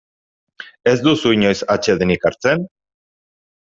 Ez duzu inoiz atsedenik hartzen?